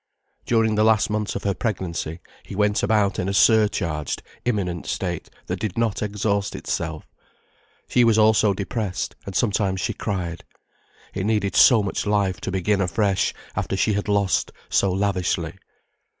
During the last months of her pregnancy, he went about in a surcharged, imminent state that did not exhaust itself. She was also depressed, and sometimes she cried. It needed so much life to begin afresh, after she had lost so lavishly.